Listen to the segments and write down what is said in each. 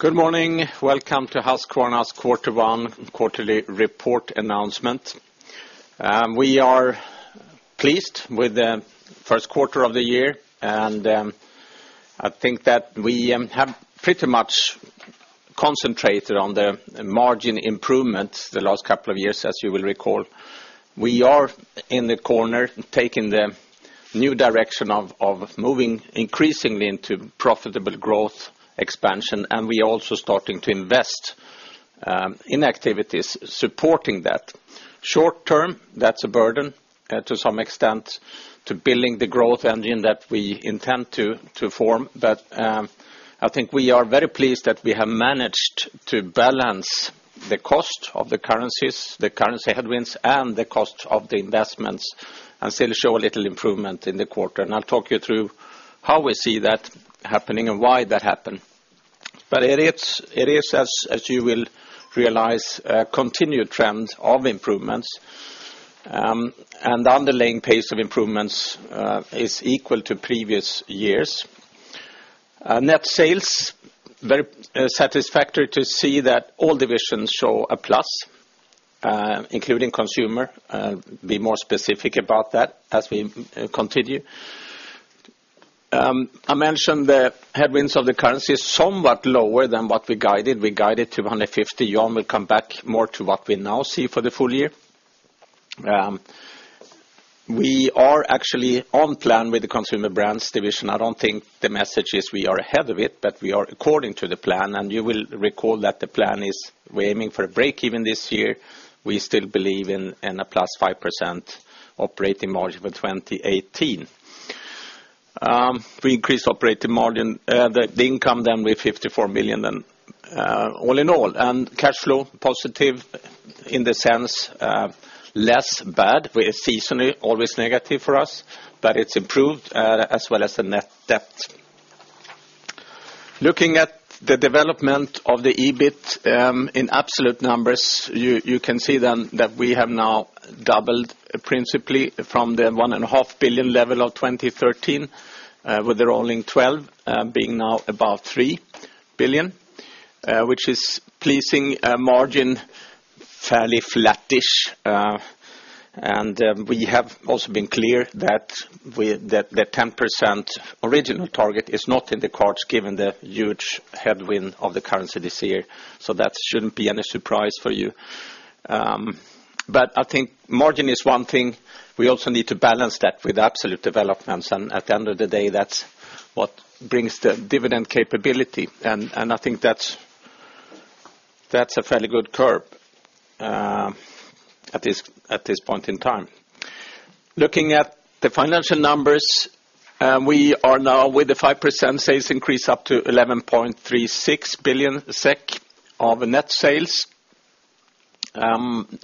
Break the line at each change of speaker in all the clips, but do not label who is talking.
Good morning. Welcome to Husqvarna's quarter one quarterly report announcement. We are pleased with the first quarter of the year. I think that we have pretty much concentrated on the margin improvements the last couple of years, as you will recall. We are in the corner, taking the new direction of moving increasingly into profitable growth expansion. We are also starting to invest in activities supporting that. Short-term, that's a burden to some extent to building the growth engine that we intend to form. I think we are very pleased that we have managed to balance the cost of the currencies, the currency headwinds, and the cost of the investments and still show a little improvement in the quarter. I'll talk you through how we see that happening and why that happened. It is, as you will realize, a continued trend of improvements. The underlying pace of improvements is equal to previous years. Net sales, very satisfactory to see that all divisions show a plus, including consumer. I'll be more specific about that as we continue. I mentioned the headwinds of the currency is somewhat lower than what we guided. We guided 250. Jan will come back more to what we now see for the full year. We are actually on plan with the consumer brands division. I don't think the message is we are ahead of it, but we are according to the plan. You will recall that the plan is we're aiming for a break-even this year. We still believe in a +5% operating margin for 2018. We increased operating margin, the income then with 54 million all in all. Cash flow positive in the sense less bad. We are seasonally always negative for us, but it's improved as well as the net debt. Looking at the development of the EBIT in absolute numbers, you can see then that we have now doubled principally from the 1.5 billion level of 2013, with the rolling 12 being now above 3 billion which is pleasing. Margin, fairly flat-ish. We have also been clear that the 10% original target is not in the cards given the huge headwind of the currency this year, so that shouldn't be any surprise for you. I think margin is one thing. We also need to balance that with absolute developments. At the end of the day, that's what brings the dividend capability. I think that's a fairly good curve at this point in time. Looking at the financial numbers, we are now with the 5% sales increase up to 11.36 billion SEK of net sales.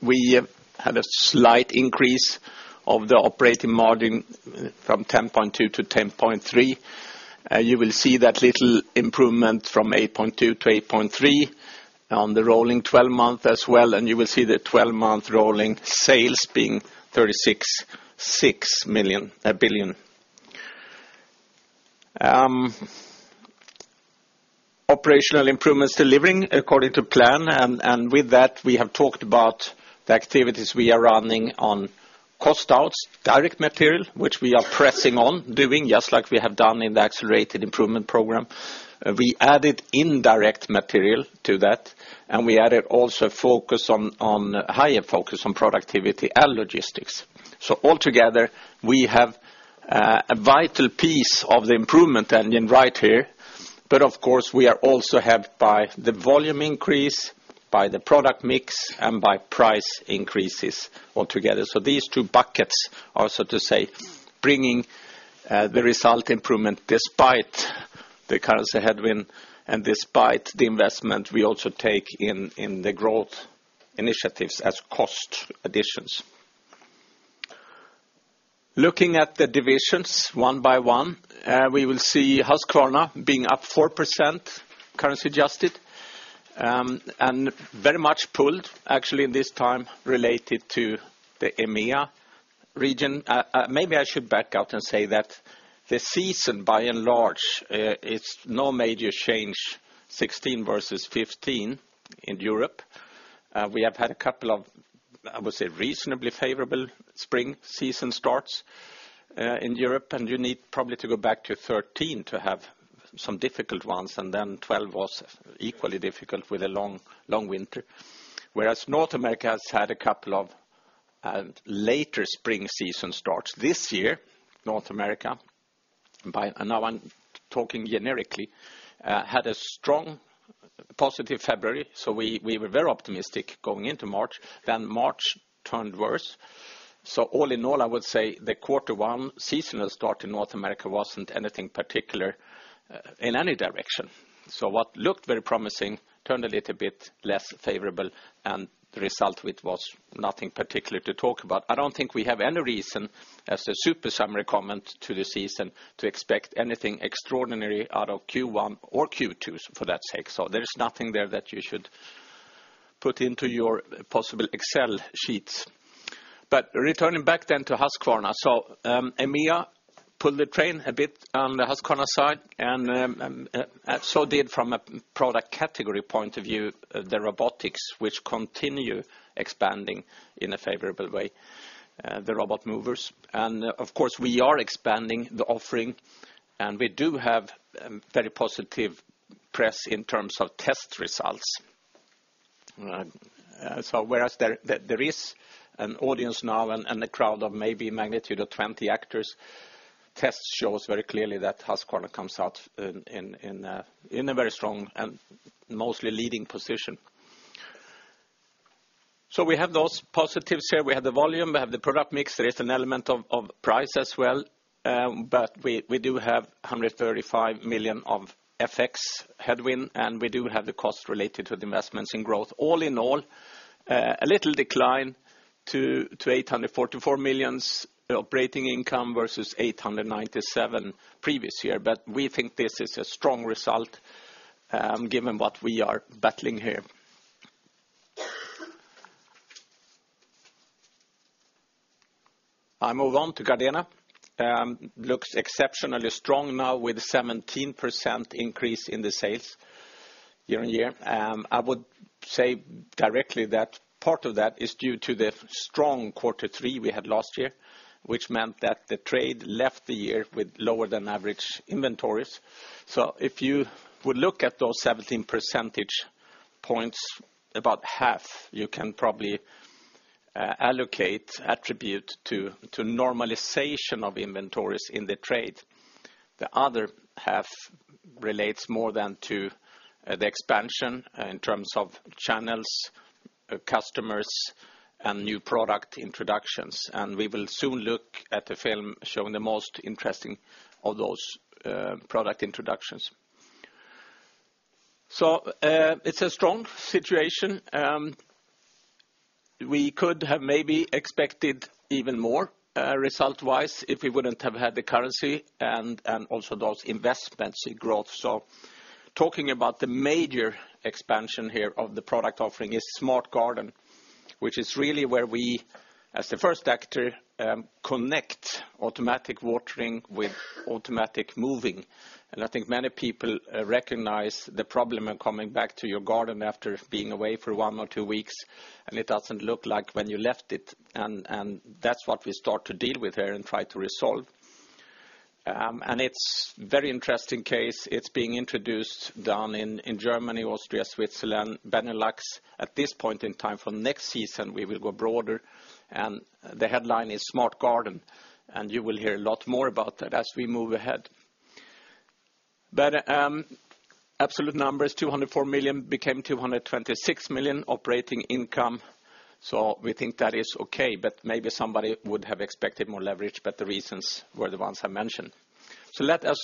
We have had a slight increase of the operating margin from 10.2%-10.3%. You will see that little improvement from 8.2%-8.3% on the rolling 12 months as well. You will see the 12-month rolling sales being 36.6 billion. Operational improvements delivering according to plan. With that, we have talked about the activities we are running on cost outs, direct material, which we are pressing on doing, just like we have done in the Accelerated Improvement Program. We added indirect material to that. We added also a higher focus on productivity and logistics. Altogether, we have a vital piece of the improvement engine right here. Of course, we are also helped by the volume increase, by the product mix, and by price increases altogether. These two buckets are so to say, bringing the result improvement despite the currency headwind and despite the investment we also take in the growth initiatives as cost additions. Looking at the divisions one by one, we will see Husqvarna being up 4%, currency adjusted, and very much pulled actually in this time related to the EMEA region. Maybe I should back out and say that the season, by and large, it's no major change 2016 versus 2015 in Europe. We have had a couple of, I would say, reasonably favorable spring season starts in Europe, and you need probably to go back to 2013 to have some difficult ones, and then 2012 was equally difficult with a long winter. North America has had a couple of later spring season starts. This year, North America, and now I'm talking generically, had a strong positive February, we were very optimistic going into March. March turned worse. All in all, I would say the Q1 seasonal start in North America wasn't anything particular in any direction. What looked very promising turned a little bit less favorable, and the result of it was nothing particular to talk about. I don't think we have any reason, as a super summary comment to the season, to expect anything extraordinary out of Q1 or Q2, for that sake. There is nothing there that you should put into your possible Excel sheets. Returning back then to Husqvarna. EMEA pulled the train a bit on the Husqvarna side, and so did from a product category point of view, the robotics, which continue expanding in a favorable way, the robotic mowers. Of course, we are expanding the offering, and we do have very positive press in terms of test results. There is an audience now and a crowd of maybe magnitude of 20 actors, tests shows very clearly that Husqvarna comes out in a very strong and mostly leading position. We have those positives here. We have the volume, we have the product mix. There is an element of price as well, but we do have 135 million of FX headwind, and we do have the cost related to the investments in growth. All in all, a little decline to 844 million operating income versus 897 previous year. We think this is a strong result, given what we are battling here. I move on to Gardena. Looks exceptionally strong now with 17% increase in the sales year-on-year. I would say directly that part of that is due to the strong Q3 we had last year, which meant that the trade left the year with lower than average inventories. If you would look at those 17 percentage points, about half you can probably allocate attribute to normalization of inventories in the trade. The other half relates more than to the expansion in terms of channels, customers, and new product introductions. We will soon look at a film showing the most interesting of those product introductions. It's a strong situation. We could have maybe expected even more result-wise if we wouldn't have had the currency and also those investments in growth. Talking about the major expansion here of the product offering is Smart Garden, which is really where we, as the first actor, connect automatic watering with automatic moving. I think many people recognize the problem of coming back to your garden after being away for one or two weeks, and it doesn't look like when you left it. That's what we start to deal with here and try to resolve. It's very interesting case. It's being introduced down in Germany, Austria, Switzerland, Benelux at this point in time. For next season, we will go broader, the headline is Smart Garden, and you will hear a lot more about that as we move ahead. Absolute numbers, 204 million became 226 million operating income. We think that is okay, maybe somebody would have expected more leverage, the reasons were the ones I mentioned. Let us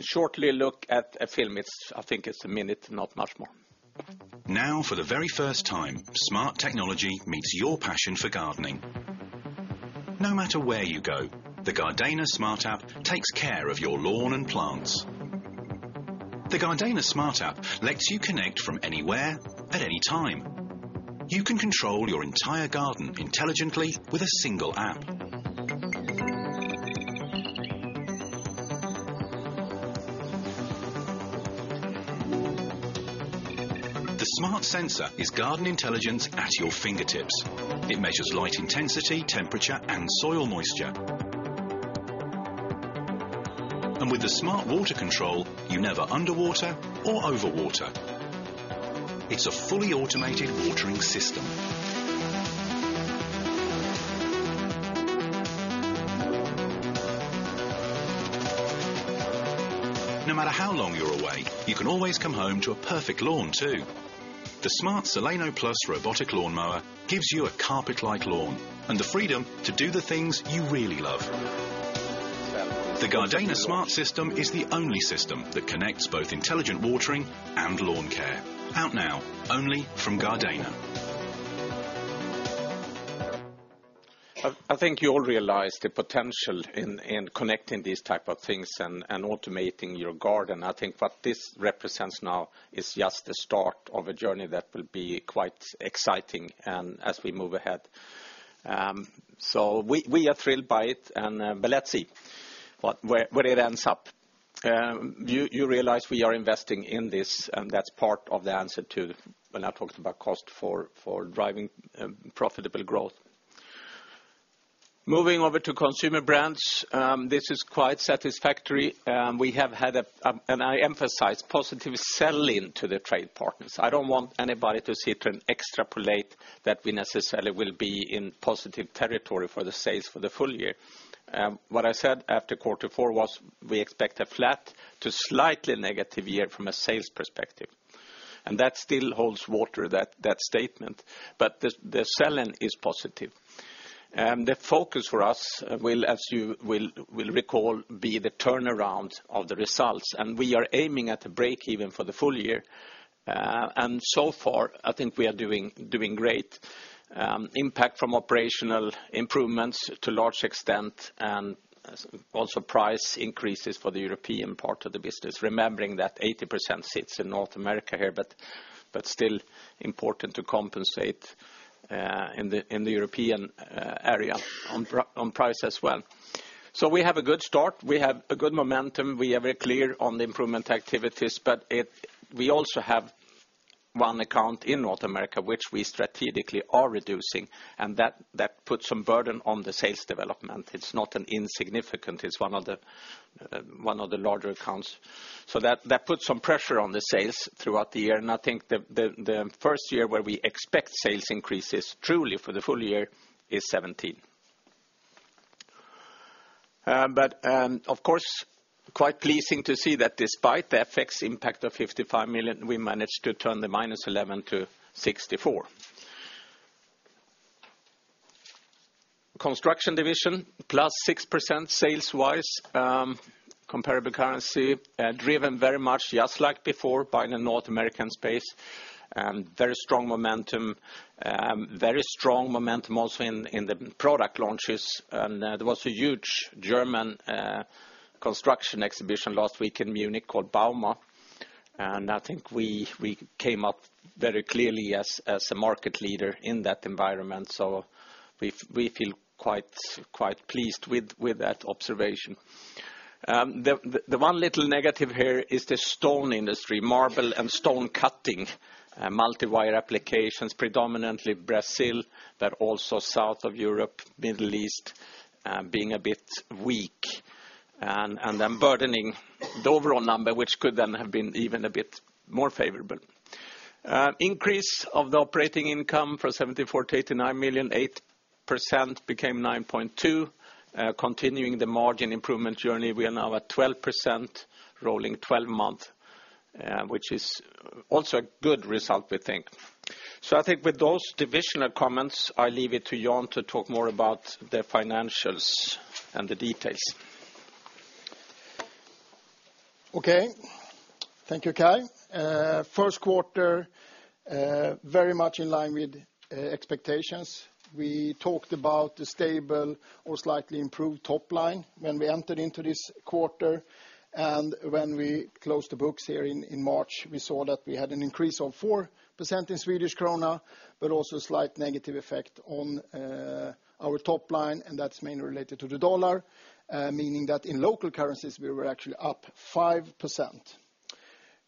shortly look at a film. I think it's a minute, not much more.
Now for the very first time, smart technology meets your passion for gardening. No matter where you go, the GARDENA smart App takes care of your lawn and plants. The GARDENA smart App lets you connect from anywhere at any time. You can control your entire garden intelligently with a single app. The smart Sensor is garden intelligence at your fingertips. It measures light intensity, temperature, and soil moisture. With the smart Water Control, you never underwater or overwater. It's a fully automated watering system. No matter how long you're away, you can always come home to a perfect lawn too. The smart Sileno+ robotic lawnmower gives you a carpet-like lawn and the freedom to do the things you really love. The GARDENA smart system is the only system that connects both intelligent watering and lawn care. Out now only from Gardena.
I think you all realize the potential in connecting these type of things and automating your garden. I think what this represents now is just the start of a journey that will be quite exciting as we move ahead. We are thrilled by it, let's see where it ends up. You realize we are investing in this, that's part of the answer to when I talked about cost for driving profitable growth. Moving over to consumer brands, this is quite satisfactory. We have had, and I emphasize, positive sell-in to the trade partners. I don't want anybody to sit and extrapolate that we necessarily will be in positive territory for the sales for the full year. What I said after quarter four was we expect a flat to slightly negative year from a sales perspective, that still holds water, that statement. The sell-in is positive. The focus for us will, as you will recall, be the turnaround of the results. We are aiming at a break even for the full year. So far, I think we are doing great. Impact from operational improvements to large extent, and also price increases for the European part of the business. Remembering that 80% sits in North America here, but still important to compensate in the European area on price as well. We have a good start. We have a good momentum. We are very clear on the improvement activities, but we also have one account in North America which we strategically are reducing, and that puts some burden on the sales development. It's not an insignificant, it's one of the larger accounts. That puts some pressure on the sales throughout the year, and I think the first year where we expect sales increases truly for the full year is 2017. Of course, quite pleasing to see that despite the FX impact of 55 million, we managed to turn the -11 to 64. Construction division, +6% sales-wise, comparable currency, driven very much just like before by the North American space. Very strong momentum also in the product launches. There was a huge German construction exhibition last week in Munich called Bauma, and I think we came up very clearly as a market leader in that environment, so we feel quite pleased with that observation. The one little negative here is the stone industry, marble and stone cutting, multi-wire applications, predominantly Brazil, but also south of Europe, Middle East, being a bit weak, and then burdening the overall number, which could then have been even a bit more favorable. Increase of the operating income from 74 million to 89 million, 8% became 9.2%, continuing the margin improvement journey. We are now at 12% rolling 12 month, which is also a good result, we think. I think with those divisional comments, I'll leave it to Jan to talk more about the financials and the details.
Okay. Thank you, Kai. First quarter very much in line with expectations. We talked about the stable or slightly improved top line when we entered into this quarter. When we closed the books here in March, we saw that we had an increase of 4% in Swedish krona, but also a slight negative effect on our top line, and that's mainly related to the USD, meaning that in local currencies, we were actually up 5%.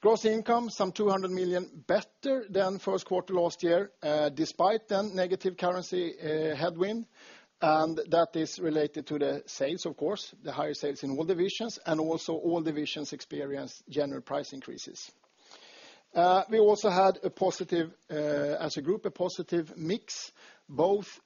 Gross income some 200 million better than first quarter last year, despite the negative currency headwind, and that is related to the sales, of course, the higher sales in all divisions, and also all divisions experienced general price increases. We also had, as a group, a positive mix, both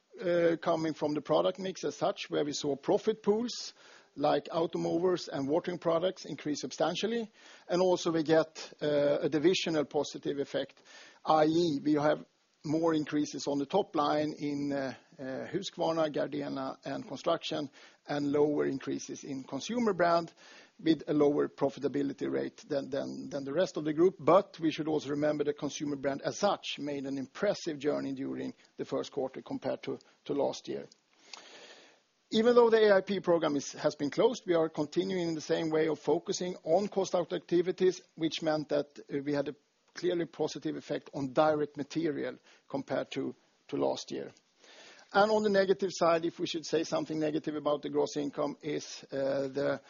coming from the product mix as such, where we saw profit pools like Automowers and watering products increase substantially. Also, we get a divisional positive effect, i.e., we have more increases on the top line in Husqvarna, Gardena, and Construction, and lower increases in Consumer Brand with a lower profitability rate than the rest of the group. We should also remember the Consumer Brand as such made an impressive journey during the first quarter compared to last year. Even though the AIP program has been closed, we are continuing in the same way of focusing on cost-out activities, which meant that we had a clearly positive effect on direct material compared to last year. On the negative side, if we should say something negative about the gross income, is the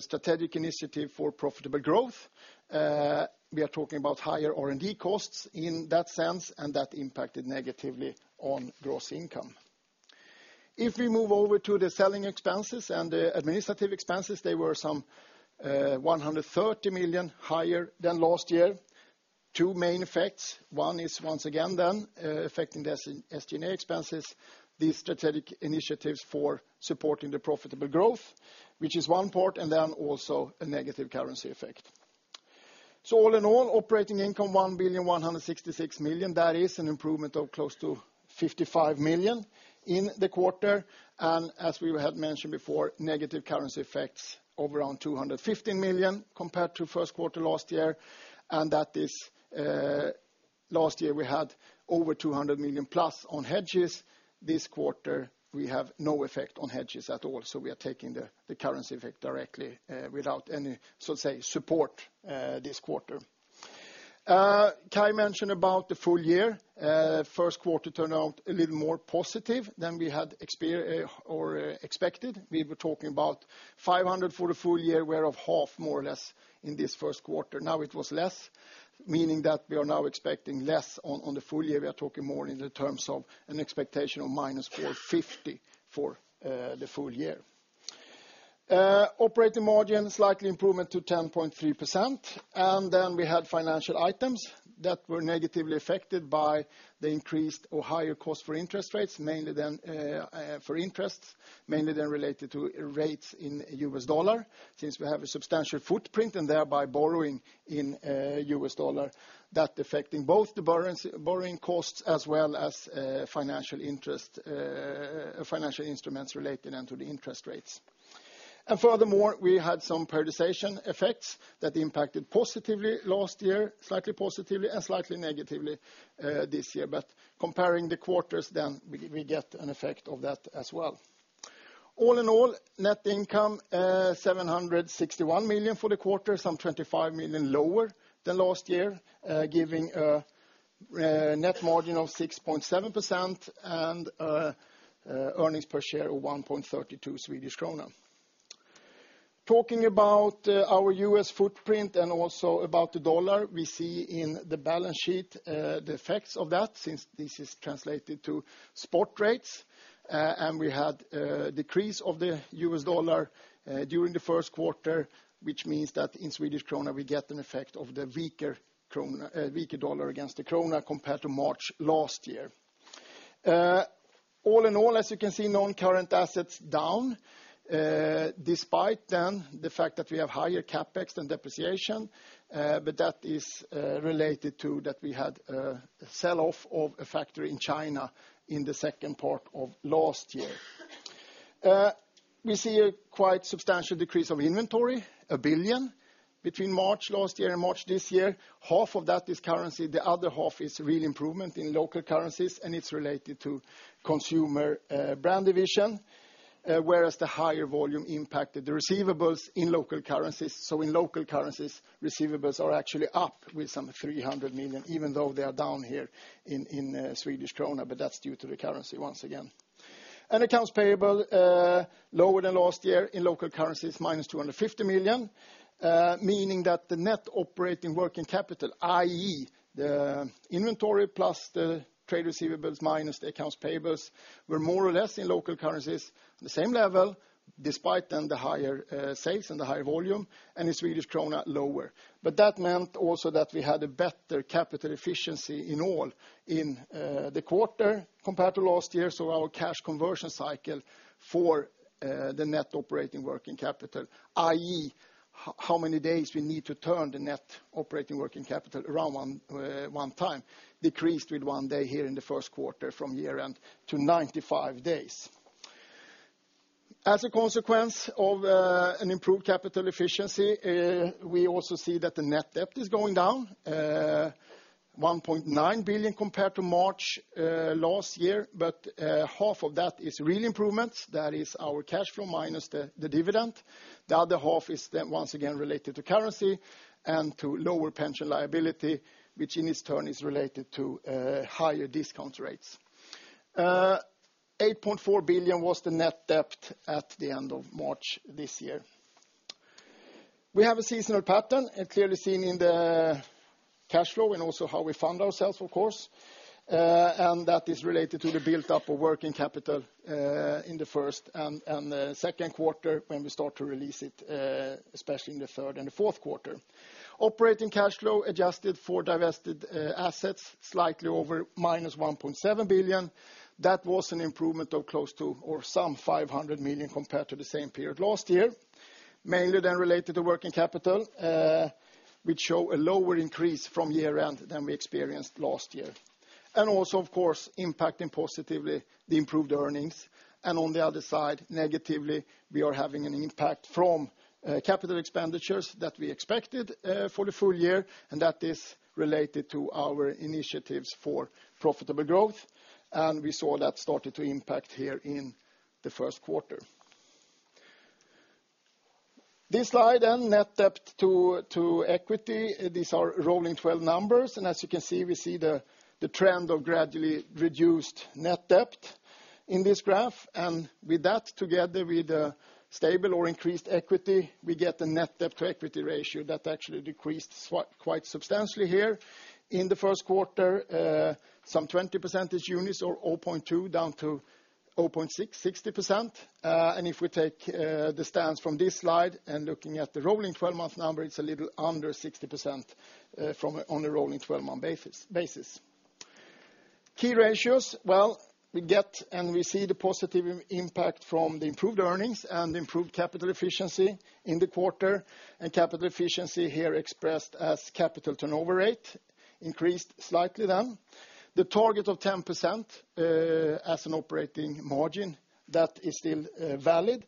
strategic initiative for profitable growth. We are talking about higher R&D costs in that sense, and that impacted negatively on gross income. If we move over to the selling expenses and the administrative expenses, they were some 130 million higher than last year. Two main effects. One is, once again, affecting the SG&A expenses, the strategic initiatives for supporting the profitable growth, which is one part, and then also a negative currency effect. All in all, operating income 1,166 million. That is an improvement of close to 55 million in the quarter. As we had mentioned before, negative currency effects of around 215 million compared to first quarter last year. That is last year we had over 200 million plus on hedges. This quarter we have no effect on hedges at all, so we are taking the currency effect directly without any, so to say, support this quarter. Kai mentioned about the full year. First quarter turned out a little more positive than we had expected. We were talking about 500 million for the full year, whereof half more or less in this first quarter. Now it was less, meaning that we are now expecting less on the full year. We are talking more in the terms of an expectation of -450 million for the full year. Operating margin, slightly improvement to 10.3%. Then we had financial items that were negatively affected by the increased or higher cost for interest rates, mainly then related to rates in US dollar. Since we have a substantial footprint and thereby borrowing in US dollar, that affecting both the borrowing costs as well as financial instruments related then to the interest rates. Furthermore, we had some periodization effects that impacted positively last year, slightly positively, and slightly negatively this year. Comparing the quarters, then we get an effect of that as well. All in all, net income 761 million for the quarter, some 25 million lower than last year, giving a net margin of 6.7% and earnings per share of 1.32 Swedish krona. Talking about our U.S. footprint and also about the dollar, we see in the balance sheet the effects of that since this is translated to spot rates. We had a decrease of the US dollar during the first quarter, which means that in Swedish krona, we get an effect of the weaker dollar against the krona compared to March last year. All in all, as you can see, non-current assets down, despite then the fact that we have higher CapEx than depreciation, that is related to that we had a sell-off of a factory in China in the second part of last year. We see a quite substantial decrease of inventory, 1 billion between March last year and March this year. Half of that is currency, the other half is real improvement in local currencies, and it's related to consumer brand division, whereas the higher volume impacted the receivables in local currencies. In local currencies, receivables are actually up with some 300 million, even though they are down here in Swedish krona, that's due to the currency once again. Accounts payable, lower than last year in local currencies, minus 250 million, meaning that the net operating working capital, i.e., the inventory plus the trade receivables minus the accounts payables, were more or less in local currencies, the same level despite then the higher sales and the higher volume and the Swedish krona lower. That meant also that we had a better capital efficiency in all in the quarter compared to last year. Our cash conversion cycle for the net operating working capital, i.e., how many days we need to turn the net operating working capital around one time, decreased with one day here in the first quarter from year-end to 95 days. As a consequence of an improved capital efficiency, we also see that the net debt is going down, 1.9 billion compared to March last year, half of that is real improvements. That is our cash flow minus the dividend. The other half is then once again related to currency and to lower pension liability, which in its turn is related to higher discount rates. 8.4 billion was the net debt at the end of March this year. We have a seasonal pattern clearly seen in the cash flow and also how we fund ourselves, of course, and that is related to the buildup of working capital in the first and the second quarter when we start to release it, especially in the third and the fourth quarter. Operating cash flow adjusted for divested assets slightly over minus 1.7 billion. That was an improvement of close to or some 500 million compared to the same period last year. Mainly then related to working capital, which show a lower increase from year-end than we experienced last year. Also of course, impacting positively the improved earnings. On the other side, negatively, we are having an impact from capital expenditures that we expected for the full year, and that is related to our initiatives for profitable growth. We saw that started to impact here in the first quarter. This slide on net debt to equity. These are rolling 12 numbers. As you can see, we see the trend of gradually reduced net debt in this graph. With that, together with stable or increased equity, we get the net debt to equity ratio that actually decreased quite substantially here in the first quarter, some 20 percentage units or 0.2 down to 0.6, 60%. If we take the stance from this slide and looking at the rolling 12-month number, it's a little under 60% on a rolling 12-month basis. Key ratios. Well, we get and we see the positive impact from the improved earnings and improved capital efficiency in the quarter. Capital efficiency here expressed as capital turnover rate increased slightly then. The target of 10% as an operating margin, that is still valid.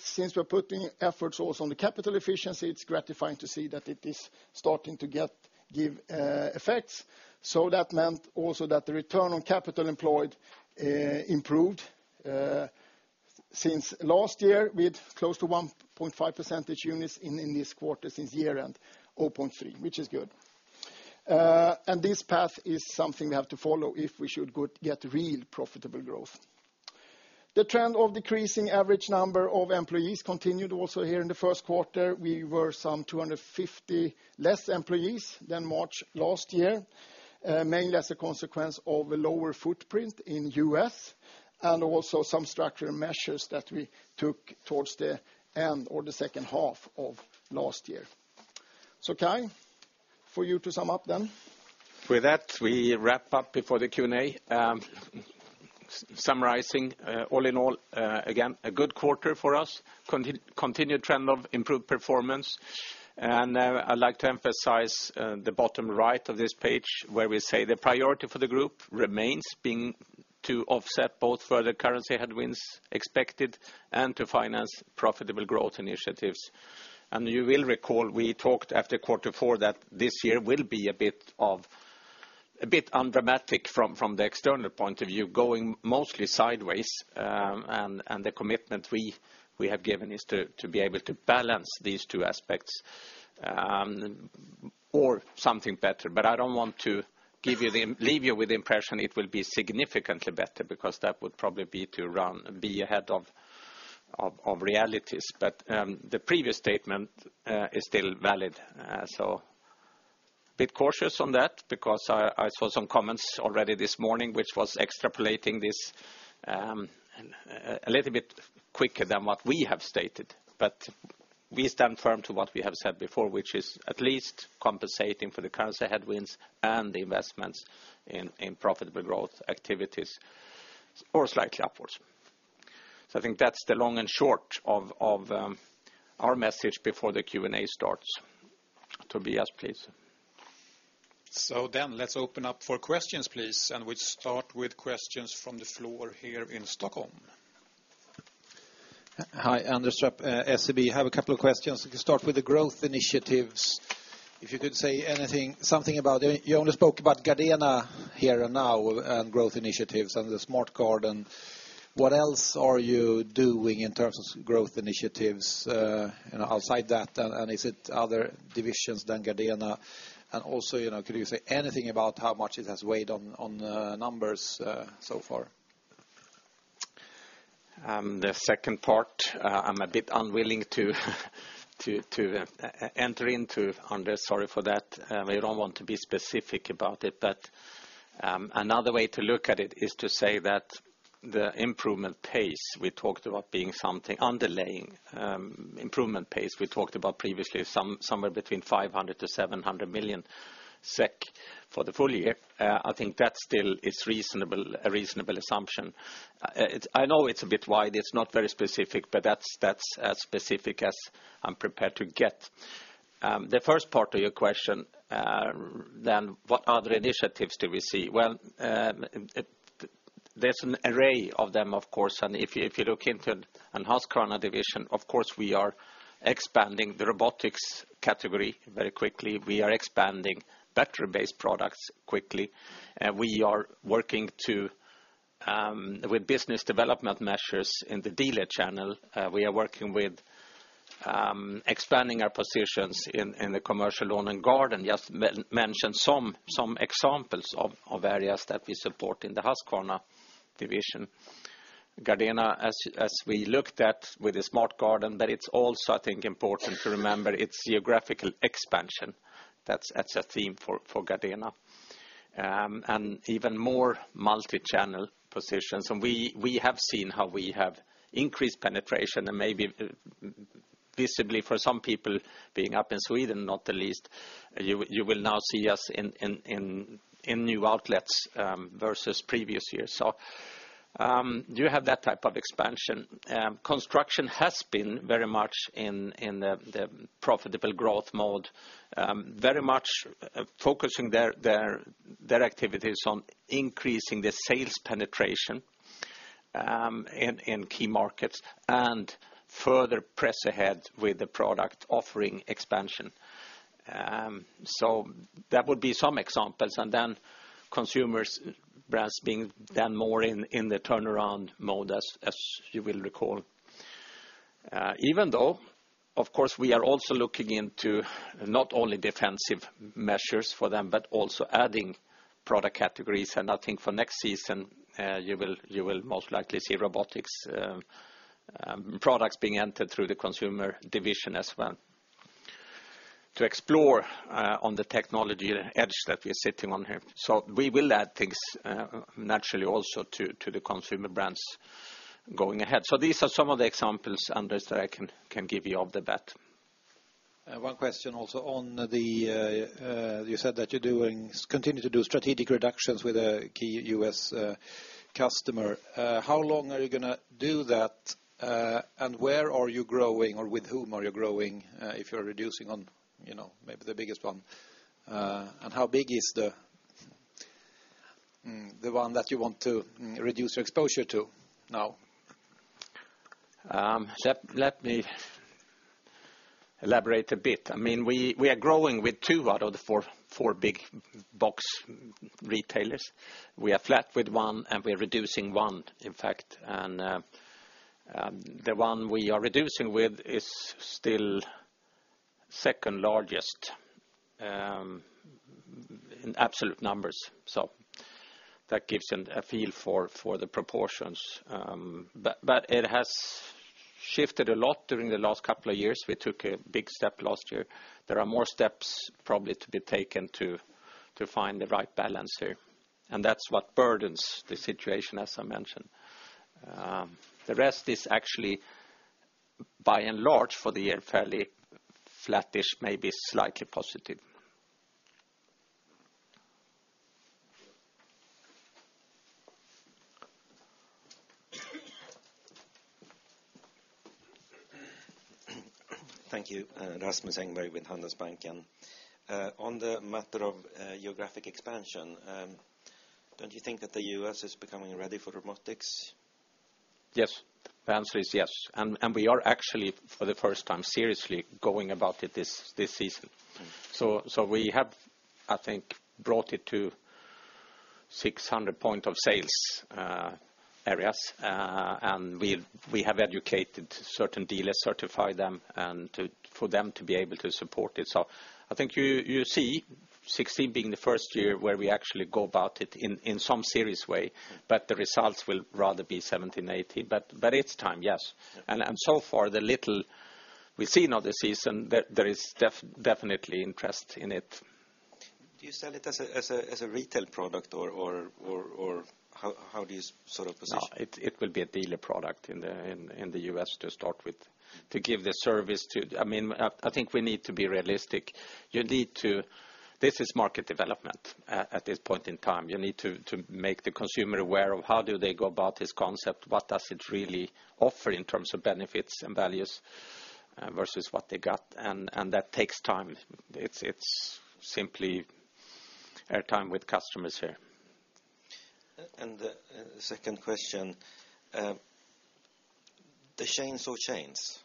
Since we're putting efforts also on the capital efficiency, it's gratifying to see that it is starting to give effects. That meant also that the return on capital employed improved since last year with close to 1.5 percentage units in this quarter since year-end, 0.3, which is good. This path is something we have to follow if we should get real profitable growth. The trend of decreasing average number of employees continued also here in the first quarter. We were some 250 less employees than March last year, mainly as a consequence of a lower footprint in U.S., and also some structural measures that we took towards the end or the second half of last year. Kai, for you to sum up then.
With that, we wrap up before the Q&A. Summarizing, all in all, again, a good quarter for us. Continued trend of improved performance. I'd like to emphasize the bottom right of this page where we say the priority for the group remains being To offset both further currency headwinds expected and to finance profitable growth initiatives. You will recall, we talked after quarter four that this year will be a bit undramatic from the external point of view, going mostly sideways, and the commitment we have given is to be able to balance these two aspects or something better. I don't want to leave you with the impression it will be significantly better, because that would probably be to be ahead of realities. The previous statement is still valid. A bit cautious on that because I saw some comments already this morning, which was extrapolating this a little bit quicker than what we have stated. We stand firm to what we have said before, which is at least compensating for the currency headwinds and the investments in profitable growth activities or slightly upwards. I think that's the long and short of our message before the Q&A starts. Tobias, please.
Let's open up for questions, please, and we'll start with questions from the floor here in Stockholm.
Hi. Anders Trapp, SEB. I have a couple of questions. To start with the growth initiatives, if you could say anything, something about it. You only spoke about Gardena here and now and growth initiatives and the Smart Garden. What else are you doing in terms of growth initiatives outside that, and is it other divisions than Gardena? Could you say anything about how much it has weighed on the numbers so far?
The second part I'm a bit unwilling to enter into, Anders. Sorry for that. We don't want to be specific about it. Another way to look at it is to say that the improvement pace we talked about being something underlying, improvement pace we talked about previously, somewhere between 500 million-700 million SEK for the full year. I think that still is a reasonable assumption. I know it's a bit wide, it's not very specific. That's as specific as I'm prepared to get. The first part of your question, what other initiatives do we see? There's an array of them, of course. If you look into a Husqvarna division, of course, we are expanding the robotics category very quickly. We are expanding battery-based products quickly. We are working with business development measures in the dealer channel. We are working with expanding our positions in the commercial lawn and garden. Just mention some examples of areas that we support in the Husqvarna division. Gardena, as we looked at with the Smart Garden, that it's also, I think, important to remember its geographical expansion. That's a theme for Gardena. Even more multi-channel positions. We have seen how we have increased penetration and maybe visibly for some people being up in Sweden, not the least, you will now see us in new outlets versus previous years. You have that type of expansion. Construction has been very much in the profitable growth mode. Very much focusing their activities on increasing the sales penetration in key markets and further press ahead with the product offering expansion. That would be some examples. Consumer brands being then more in the turnaround mode, as you will recall. Even though, of course, we are also looking into not only defensive measures for them, but also adding product categories. I think for next season, you will most likely see robotics products being entered through the consumer division as well to explore on the technology edge that we're sitting on here. We will add things naturally also to the consumer brands going ahead. These are some of the examples, Anders, that I can give you off the bat.
One question also on the. You said that you continue to do strategic reductions with a key U.S. customer. How long are you going to do that? Where are you growing or with whom are you growing if you're reducing on maybe the biggest one? How big is the one that you want to reduce your exposure to now?
Let me elaborate a bit. We are growing with two out of the four big box retailers. We are flat with one, and we are reducing one, in fact. The one we are reducing with is still second largest in absolute numbers. That gives a feel for the proportions. It has shifted a lot during the last couple of years. We took a big step last year. There are more steps probably to be taken to find the right balance here, and that's what burdens the situation, as I mentioned. The rest is actually, by and large, for the year, fairly flattish, maybe slightly positive.
Thank you. Rasmus Engberg with Handelsbanken. On the matter of geographic expansion, don't you think that the U.S. is becoming ready for robotics?
Yes. The answer is yes. We are actually, for the first time, seriously going about it this season. We have, I think, brought it to 600 point of sales areas, and we have educated certain dealers, certified them for them to be able to support it. I think you see 2016 being the first year where we actually go about it in some serious way, but the results will rather be 2017, 2018. It's time, yes. So far, the little we've seen of the season, there is definitely interest in it.
Do you sell it as a retail product, or how do you position it?
It will be a dealer product in the U.S. to start with to give the service. I think we need to be realistic. This is market development at this point in time. You need to make the consumer aware of how do they go about this concept, what does it really offer in terms of benefits and values versus what they got, that takes time. It's simply our time with customers here.
The second question. The chainsaw chains.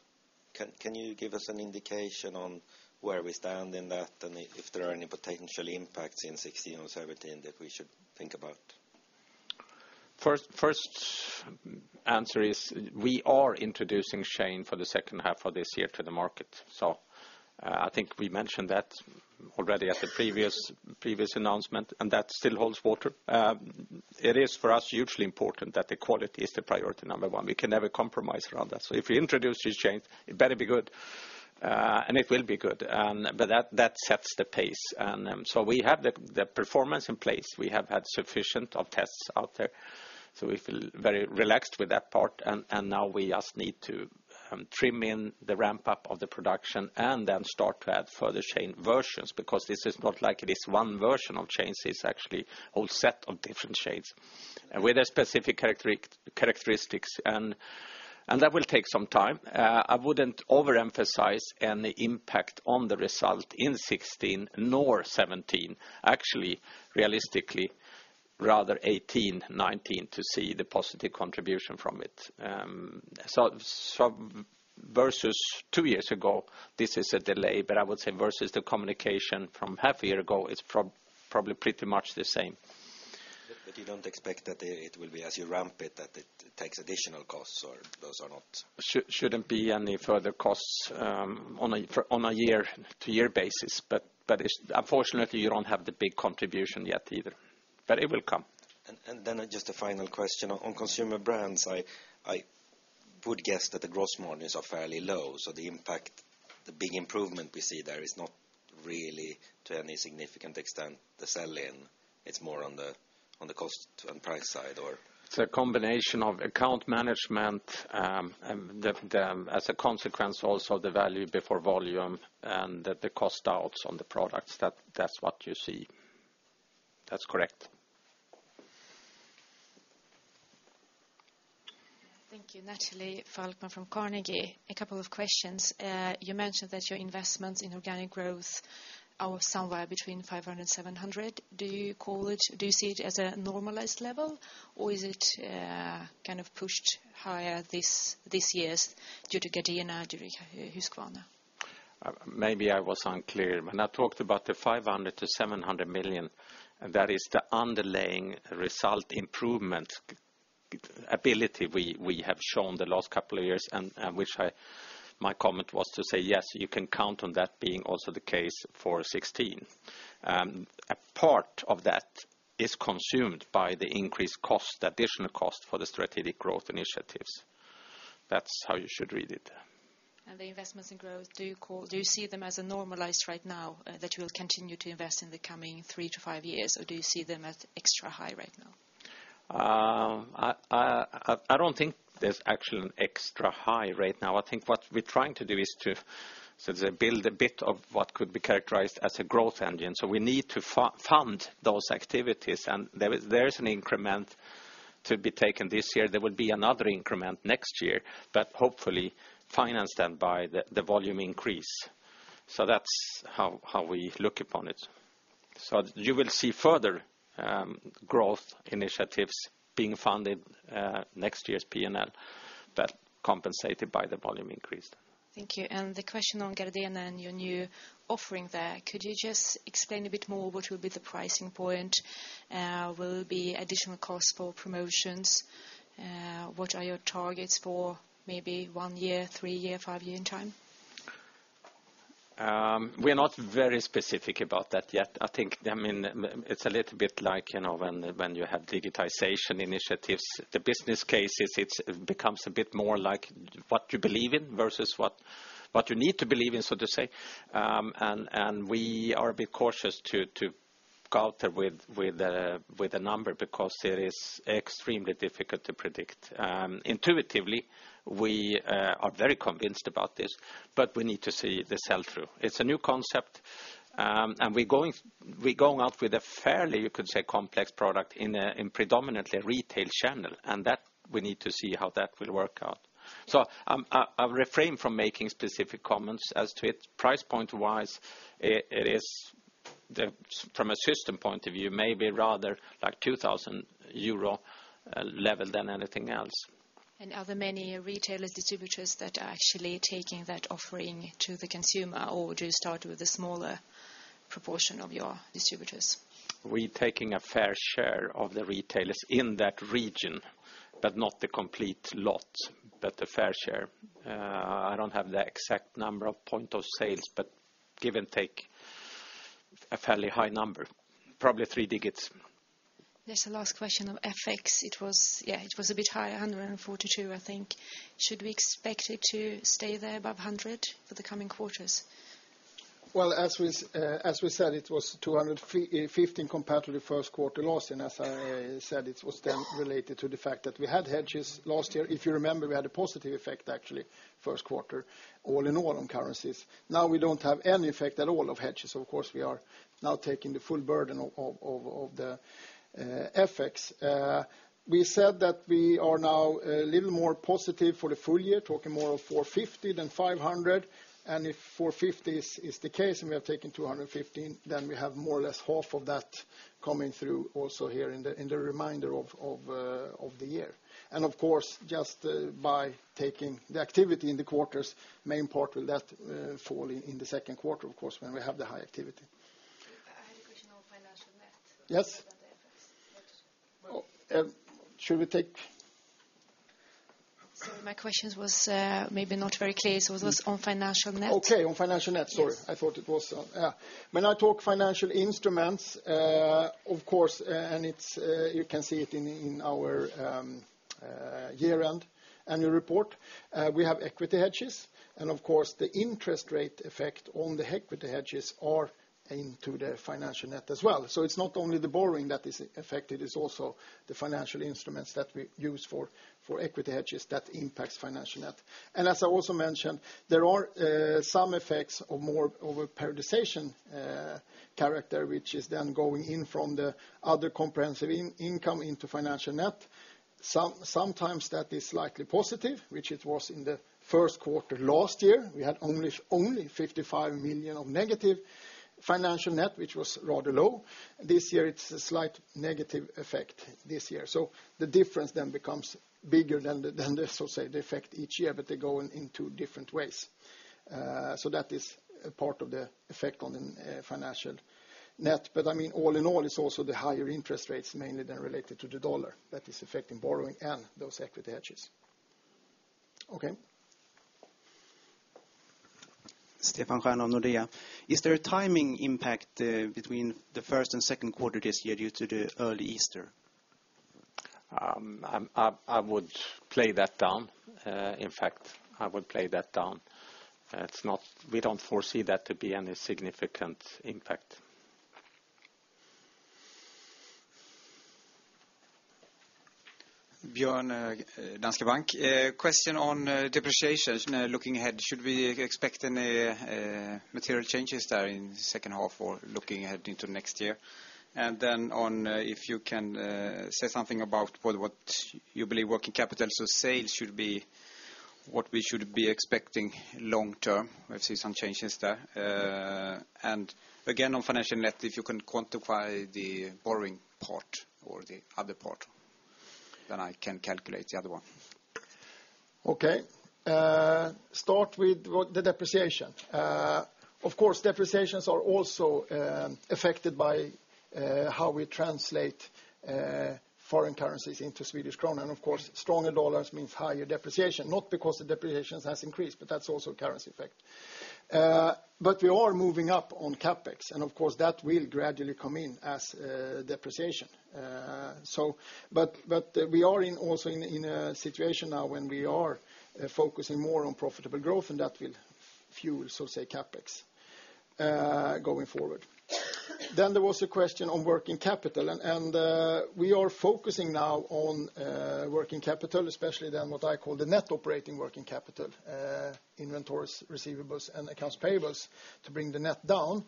Can you give us an indication on where we stand in that if there are any potential impacts in 2016 or 2017 that we should think about?
First answer is we are introducing chain for the second half of this year to the market. I think we mentioned that already at the previous announcement, that still holds water. It is, for us, hugely important that the quality is the priority number 1. We can never compromise around that. If we introduce this chain, it better be good, it will be good. That sets the pace. We have the performance in place. We have had sufficient of tests out there, we feel very relaxed with that part. Now we just need to trim in the ramp-up of the production then start to add further chain versions, because this is not like it is 1 version of chains. It's actually a whole set of different chains with specific characteristics, that will take some time. I wouldn't overemphasize any impact on the result in 2016 nor 2017. Actually, realistically, rather 2018, 2019 to see the positive contribution from it. Versus two years ago, this is a delay, but I would say versus the communication from half a year ago, it's probably pretty much the same.
You don't expect that it will be as you ramp it, that it takes additional costs, or those are not-
Shouldn't be any further costs on a year-to-year basis. Unfortunately, you don't have the big contribution yet either. It will come.
Then just a final question on consumer brands. I would guess that the gross margins are fairly low, so the impact, the big improvement we see there is not really to any significant extent the sell-in. It's more on the cost and price side, or?
It's a combination of account management, as a consequence also the value before volume, and the cost outs on the products. That's what you see. That's correct.
Thank you. Natalie Falkman from Carnegie. A couple of questions. You mentioned that your investments in organic growth are somewhere between 500 million and 700 million. Do you see it as a normalized level, or is it pushed higher this year due to Gardena, due to Husqvarna?
Maybe I was unclear. When I talked about the 500 million to 700 million, that is the underlying result improvement ability we have shown the last couple of years, and which my comment was to say, yes, you can count on that being also the case for 2016. A part of that is consumed by the increased cost, the additional cost for the strategic growth initiatives. That's how you should read it.
The investments in growth, do you see them as normalized right now, that you will continue to invest in the coming three to five years, or do you see them as extra high right now?
I don't think there's actually an extra high right now. I think what we're trying to do is to build a bit of what could be characterized as a growth engine. We need to fund those activities, and there is an increment to be taken this year. There will be another increment next year, but hopefully financed then by the volume increase. That's how we look upon it. You will see further growth initiatives being funded next year's P&L, but compensated by the volume increase.
Thank you. The question on Gardena and your new offering there, could you just explain a bit more what will be the pricing point? Will it be additional cost for promotions? What are your targets for maybe one year, three-year, five-year in time?
We're not very specific about that yet. I think it's a little bit like when you have digitization initiatives. The business case, it becomes a bit more like what you believe in versus what you need to believe in, so to say. We are a bit cautious to go out there with a number because it is extremely difficult to predict. Intuitively, we are very convinced about this, but we need to see the sell-through. It's a new concept, and we're going out with a fairly, you could say, complex product in predominantly a retail channel, and that we need to see how that will work out. I'll refrain from making specific comments as to it. Price point-wise, it is from a system point of view, maybe rather like 2,000 euro level than anything else.
Are there many retailers, distributors that are actually taking that offering to the consumer? Or do you start with the smaller proportion of your distributors?
We're taking a fair share of the retailers in that region, but not the complete lot, but a fair share. I don't have the exact number of point of sales, but give and take, a fairly high number, probably three digits.
Just a last question on FX. It was a bit high, 142, I think. Should we expect it to stay there above 100 for the coming quarters?
Well, as we said, it was 215 compared to the first quarter last year. As I said, it was then related to the fact that we had hedges last year. If you remember, we had a positive effect, actually, first quarter all in all on currencies. Now we don't have any effect at all of hedges, of course, we are now taking the full burden of the FX. We said that we are now a little more positive for the full year, talking more of 450 than 500. If 450 is the case, and we have taken 215, then we have more or less half of that coming through also here in the remainder of the year. Of course, just by taking the activity in the quarters, main part of that fall in the second quarter, of course, when we have the high activity.
I had a question on financial net-
Yes
other than the FX.
Should we take?
Sorry, my questions was maybe not very clear. It was on financial net.
Okay. On financial net.
Yes.
Sorry. I thought it was. When I talk financial instruments, of course, you can see it in our year-end annual report, we have equity hedges, and of course, the interest rate effect on the equity hedges are into the financial net as well. It's not only the borrowing that is affected, it's also the financial instruments that we use for equity hedges that impacts financial net. As I also mentioned, there are some effects of more of a prioritization character, which is then going in from the other comprehensive income into financial net. Sometimes that is slightly positive, which it was in the first quarter last year. We had only 55 million of negative financial net, which was rather low. This year it's a slight negative effect this year. The difference then becomes bigger than the, so say, the effect each year. They go in two different ways. That is a part of the effect on the financial net. All in all, it's also the higher interest rates mainly than related to the USD that is affecting borrowing and those equity hedges. Okay.
Stefan Stjernfelt of Nordea. Is there a timing impact between the first and second quarter this year due to the early Easter?
I would play that down. We don't foresee that to be any significant impact.
Björn, Danske Bank. Question on depreciations. Looking ahead, should we expect any material changes there in the second half or looking ahead into next year? If you can say something about what you believe working capital, so sales should be what we should be expecting long term. We've seen some changes there. Again, on financial net, if you can quantify the borrowing part or the other part, then I can calculate the other one.
Okay. Start with the depreciation. Of course, depreciations are also affected by how we translate foreign currencies into SEK, and of course, stronger dollars means higher depreciation, not because the depreciations has increased, but that's also a currency effect. We are moving up on CapEx, and of course, that will gradually come in as depreciation. We are also in a situation now when we are focusing more on profitable growth, and that will fuel, so say, CapEx going forward. There was a question on working capital, and we are focusing now on working capital, especially then what I call the net operating working capital, inventories, receivables, and accounts payables to bring the net down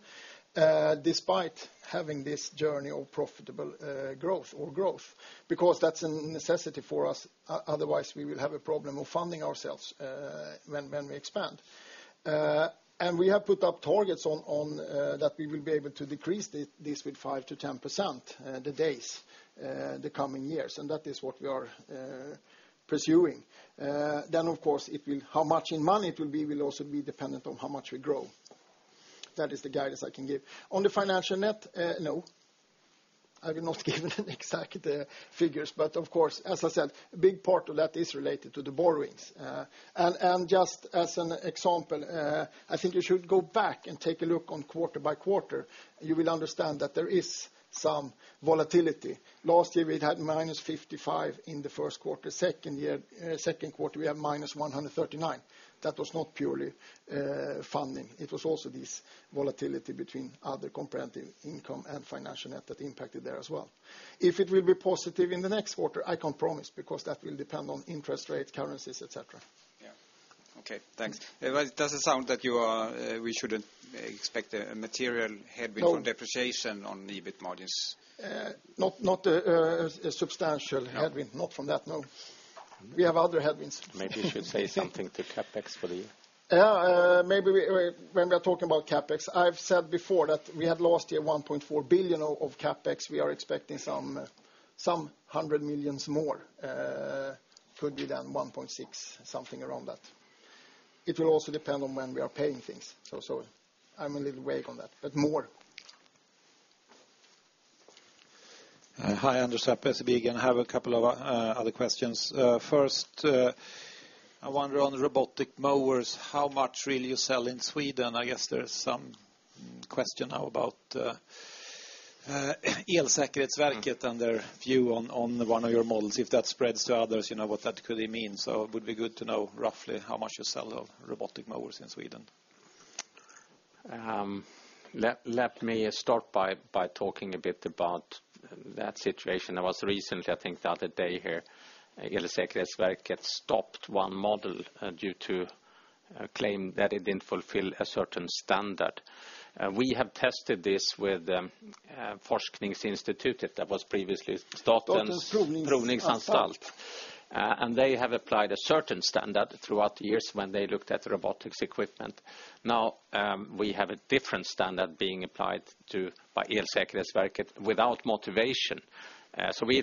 despite having this journey of profitable growth or growth, because that's a necessity for us. Otherwise, we will have a problem of funding ourselves when we expand. We have put up targets on that we will be able to decrease this with 5%-10%, the days, the coming years, and that is what we are pursuing. Of course, how much in money it will be will also be dependent on how much we grow. That is the guidance I can give. On the financial net, no, I will not give the exact figures. Of course, as I said, a big part of that is related to the borrowings. Just as an example, I think you should go back and take a look on quarter by quarter. You will understand that there is some volatility. Last year, we'd had -55 in the first quarter. Second quarter, we had -139. That was not purely funding. It was also this volatility between other comprehensive income and financial net that impacted there as well. If it will be positive in the next quarter, I can't promise because that will depend on interest rates, currencies, et cetera.
Yeah. Okay, thanks. it doesn't sound that we shouldn't expect a material headwind- No from depreciation on EBIT margins.
Not a substantial headwind.
No. Not from that, no. We have other headwinds.
You should say something to CapEx for the year.
When we are talking about CapEx, I've said before that we had last year 1.4 billion of CapEx. We are expecting some 100 million more, could be then 1.6 billion, something around that. It will also depend on when we are paying things. I'm a little vague on that, but more.
Hi, Anders. I have a couple of other questions. First, I wonder on the robotic mowers, how much will you sell in Sweden? I guess there's some question now about Elsäkerhetsverket and their view on one of your models. If that spreads to others, you know what that could mean. It would be good to know roughly how much you sell of robotic mowers in Sweden.
Let me start by talking a bit about that situation. I was recently, I think the other day here, Elsäkerhetsverket stopped one model due to a claim that it didn't fulfill a certain standard. We have tested this with Forskningsinstitutet. That was previously Statens Provningsanstalt, and they have applied a certain standard throughout the years when they looked at robotics equipment. Now, we have a different standard being applied to by Elsäkerhetsverket without motivation. We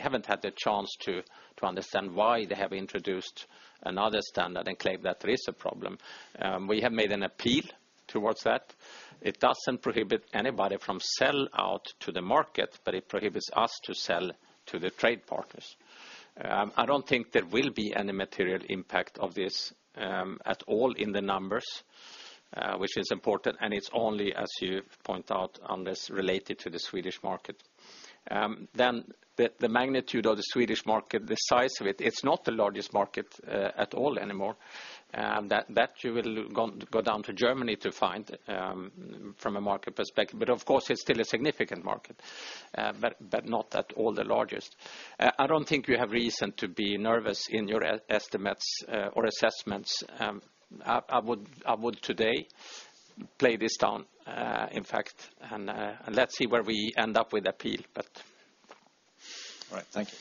haven't had the chance to understand why they have introduced another standard and claimed that there is a problem. We have made an appeal towards that. It doesn't prohibit anybody from sell out to the market, but it prohibits us to sell to the trade partners. I don't think there will be any material impact of this at all in the numbers, which is important, and it's only, as you point out, Anders, related to the Swedish market. The magnitude of the Swedish market, the size of it's not the largest market at all anymore. That you will go down to Germany to find from a market perspective. Of course it's still a significant market, but not at all the largest. I don't think you have reason to be nervous in your estimates or assessments. I would today play this down, in fact, and let's see where we end up with appeal.
All right. Thank you.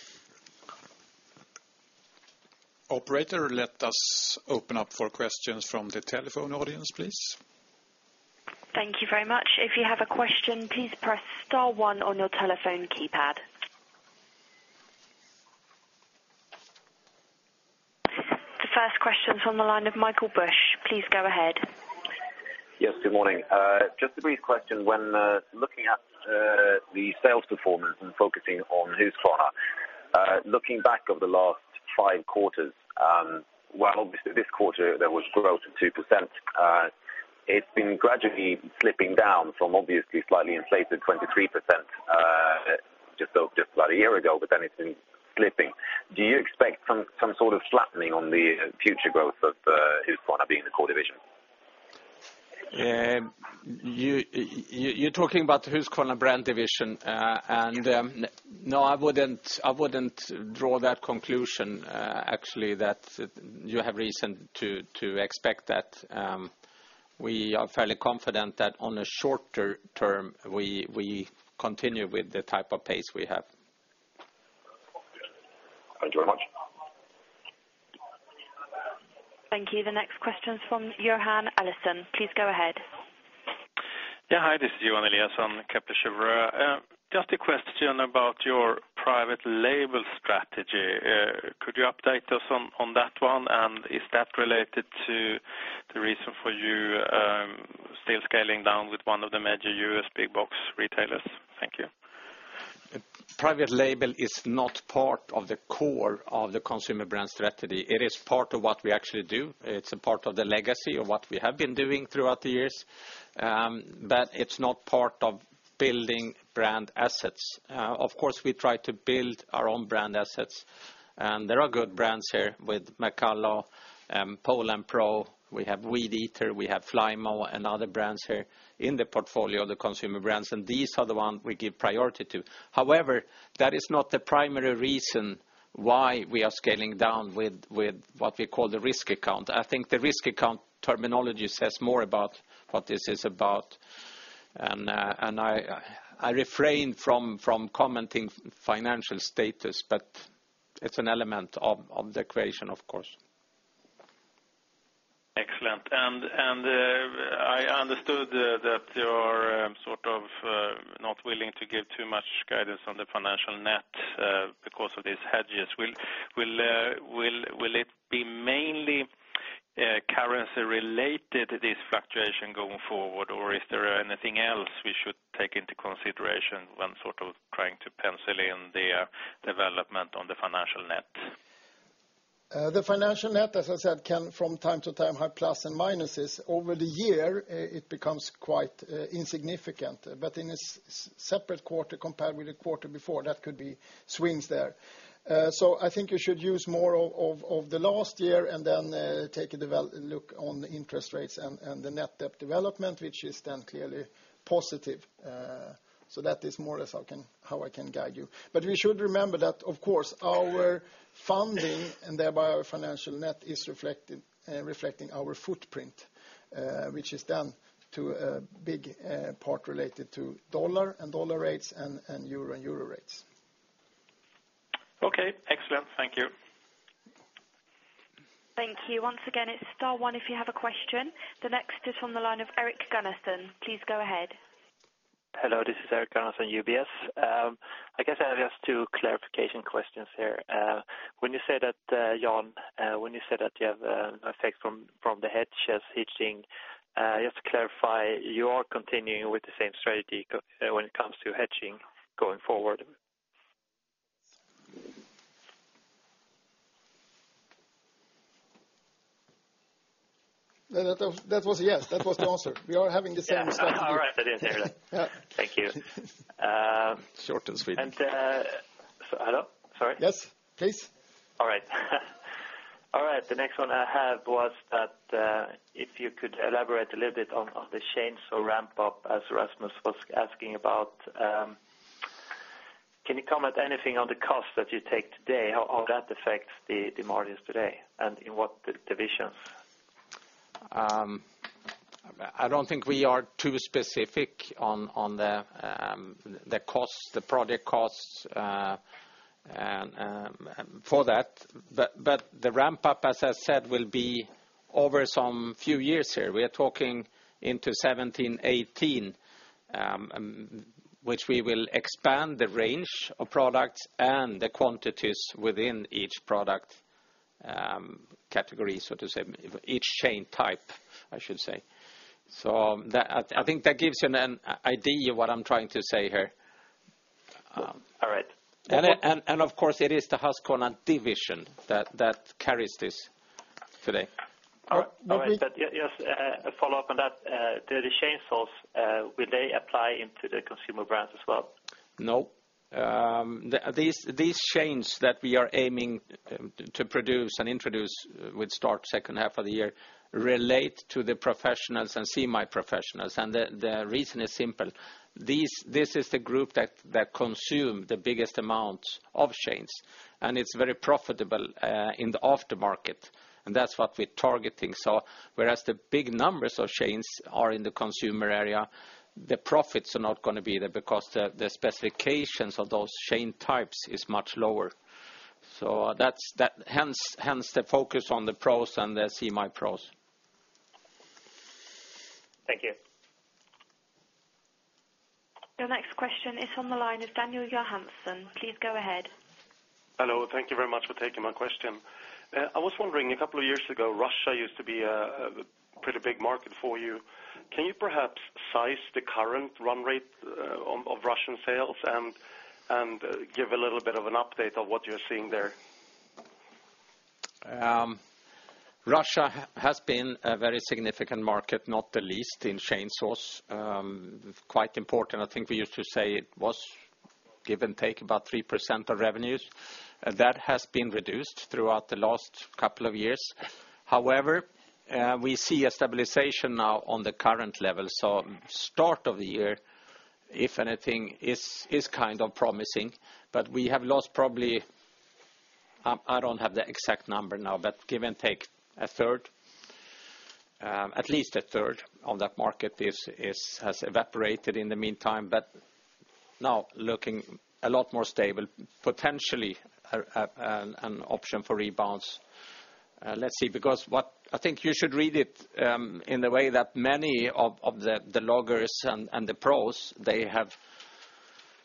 Operator, let us open up for questions from the telephone audience, please.
Thank you very much. If you have a question, please press star one on your telephone keypad. The first question's from the line of Michael Bush. Please go ahead.
Yes, good morning. Just a brief question. When looking at the sales performance and focusing on Husqvarna, looking back over the last five quarters, while obviously this quarter there was growth of 2%, it's been gradually slipping down from obviously slightly inflated 23% just about a year ago, it's been slipping. Do you expect some sort of flattening on the future growth of Husqvarna being the core division?
You're talking about Husqvarna brand division?
Yes.
No, I wouldn't draw that conclusion, actually, that you have reason to expect that. We are fairly confident that on a short term, we continue with the type of pace we have.
Thank you very much.
Thank you. The next question's from Johan Eliason. Please go ahead.
Yeah. Hi, this is Johan Eliason, Kepler Cheuvreux. Just a question about your private label strategy. Could you update us on that one? Is that related to the reason for you still scaling down with one of the major U.S. big box retailers? Thank you.
Private label is not part of the core of the consumer brand strategy. It is part of what we actually do. It's a part of the legacy of what we have been doing throughout the years. It's not part of building brand assets. Of course, we try to build our own brand assets, and there are good brands here with McCulloch, Poulan Pro. We have Weed Eater, we have Flymo, and other brands here in the portfolio of the consumer brands, and these are the ones we give priority to. That is not the primary reason why we are scaling down with what we call the risk account. I think the risk account terminology says more about what this is about, and I refrain from commenting financial status, but it's an element of the equation, of course.
Excellent. I understood that you are sort of not willing to give too much guidance on the financial net because of these hedges. Will it be mainly currency related, this fluctuation going forward? Is there anything else we should take into consideration when sort of trying to pencil in the development on the financial net?
The financial net, as I said, can from time to time have plus and minuses. Over the year, it becomes quite insignificant. In a separate quarter compared with the quarter before, that could be swings there. I think you should use more of the last year and then take a look on the interest rates and the net debt development, which is then clearly positive. That is more how I can guide you. We should remember that of course our funding and thereby our financial net is reflecting our footprint
Which is then to a big part related to U.S. dollar and U.S. dollar rates and euro and euro rates.
Okay. Excellent. Thank you.
Thank you. Once again, it's star one if you have a question. The next is on the line of Erik Gunnarsson. Please go ahead.
Hello, this is Erik Gunnarsson, UBS. I guess I have just two clarification questions here. Jan, when you say that you have an effect from the hedges hedging, just to clarify, you are continuing with the same strategy when it comes to hedging going forward?
That was a yes. That was the answer. We are having the same strategy.
All right. I didn't hear that.
Yeah. Thank you. Short and sweet.
Hello? Sorry.
Yes, please.
All right. All right. The next one I have was that if you could elaborate a little bit on the chainsaw ramp-up as Rasmus was asking about. Can you comment anything on the cost that you take today? How that affects the margins today, and in what divisions?
I don't think we are too specific on the project costs for that. The ramp-up, as I said, will be over some few years here. We are talking into 2017, 2018, which we will expand the range of products and the quantities within each product category, so to say, each chain type, I should say. I think that gives you an idea what I'm trying to say here.
All right.
Of course, it is the Husqvarna division that carries this today.
All right. Just a follow-up on that. Do the chainsaws, will they apply into the consumer brands as well?
No. These chains that we are aiming to produce and introduce would start second half of the year relate to the professionals and semi-professionals. The reason is simple. This is the group that consume the biggest amount of chains, and it's very profitable in the aftermarket, and that's what we're targeting. Whereas the big numbers of chains are in the consumer area, the profits are not going to be there because the specifications of those chain types is much lower. Hence the focus on the pros and the semi-pros.
Thank you.
Your next question is on the line of Dan Johansson. Please go ahead.
Hello. Thank you very much for taking my question. I was wondering, a couple of years ago, Russia used to be a pretty big market for you. Can you perhaps size the current run rate of Russian sales and give a little bit of an update of what you're seeing there?
Russia has been a very significant market, not the least in chainsaws. Quite important. I think we used to say it was give and take about 3% of revenues. That has been reduced throughout the last couple of years. However, we see a stabilization now on the current level. Start of the year, if anything, is kind of promising. We have lost probably, I don't have the exact number now, but give and take, a third. At least a third of that market has evaporated in the meantime, but now looking a lot more stable, potentially an option for rebounds. Let's see, because I think you should read it in the way that many of the loggers and the pros, they have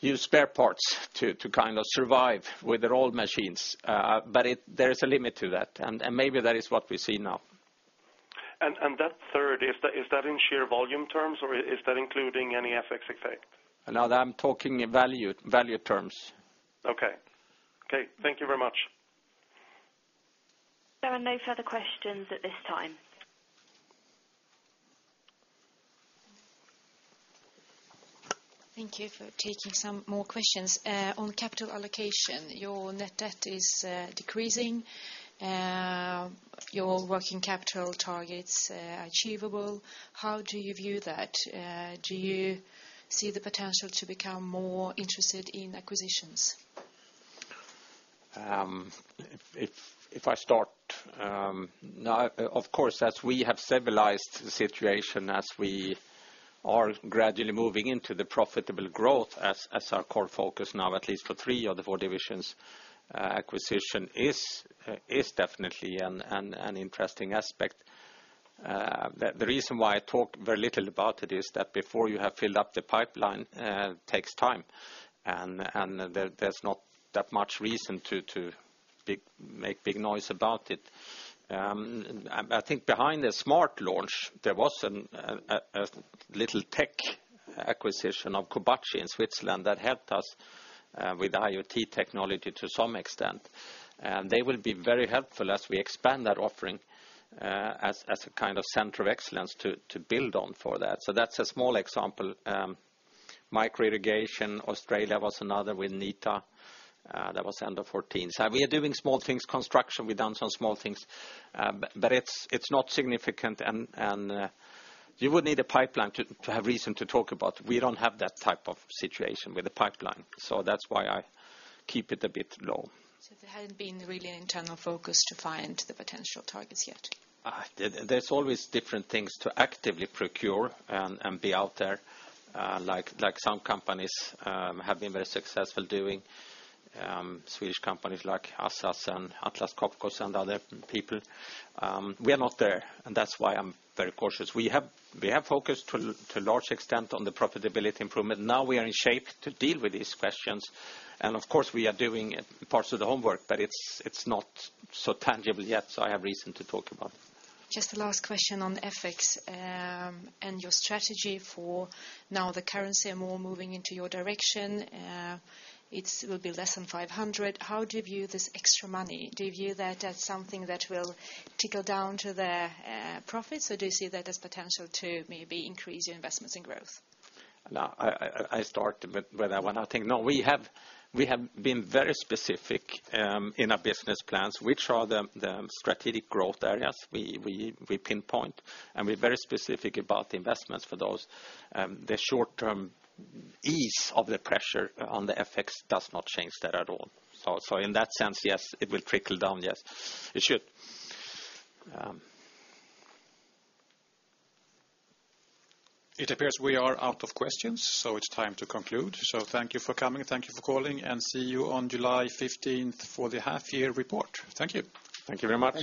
used spare parts to kind of survive with their old machines. There is a limit to that, and maybe that is what we see now.
That third, is that in sheer volume terms, or is that including any FX effect?
I'm talking in value terms.
Thank you very much.
There are no further questions at this time.
Thank you for taking some more questions. On capital allocation, your net debt is decreasing. Your working capital target's achievable. How do you view that? Do you see the potential to become more interested in acquisitions?
If I start. Of course, as we have stabilized the situation, as we are gradually moving into the profitable growth as our core focus now, at least for three of the four divisions, acquisition is definitely an interesting aspect. The reason why I talk very little about it is that before you have filled up the pipeline, takes time, and there's not that much reason to make big noise about it. I think behind the Smart launch, there was a little tech acquisition of Koubachi in Switzerland that helped us with IoT technology to some extent. They will be very helpful as we expand that offering as a kind of center of excellence to build on for that. That's a small example. Micro-irrigation, Australia was another with Neta. That was end of 2014. We are doing small things, construction, we've done some small things, but it's not significant, and you would need a pipeline to have reason to talk about. We don't have that type of situation with the pipeline, so that's why I keep it a bit low.
There hasn't been really an internal focus to find the potential targets yet?
There's always different things to actively procure and be out there, like some companies have been very successful doing. Swedish companies like Assa and Atlas Copco and other people. We are not there, and that's why I'm very cautious. We have focused to a large extent on the profitability improvement. Now we are in shape to deal with these questions, and of course, we are doing parts of the homework, but it's not so tangible yet, so I have reason to talk about it.
Just the last question on FX and your strategy for now the currency are more moving into your direction. It will be less than 500. How do you view this extra money? Do you view that as something that will trickle down to the profits, or do you see that as potential to maybe increase your investments in growth?
I start with what I want to think. No, we have been very specific in our business plans, which are the strategic growth areas we pinpoint, and we're very specific about the investments for those. The short-term ease of the pressure on the FX does not change that at all. In that sense, yes, it will trickle down. Yes, it should.
It appears we are out of questions, it's time to conclude. Thank you for coming, thank you for calling, and see you on July 15th for the half-year report. Thank you.
Thank you very much.